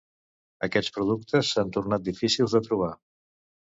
Aquests productes s'han tornat difícils de trobar.